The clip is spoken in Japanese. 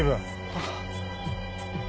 あっ。